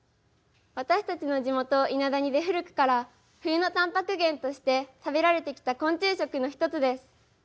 私たちの地元伊那谷で古くから冬のたんぱく源として食べられてきた昆虫食の一つです。